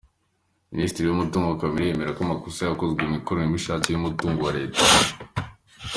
Minisiteri yumutungo kamere yemera amakosa yakozwe mu mikoreshereze y’umutungo wa Leta